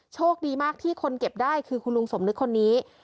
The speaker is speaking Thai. โชคดีมากที่คนเก็บได้คือคุณลุงสมนึกคนนี้